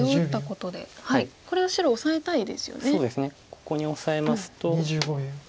ここにオサえますと。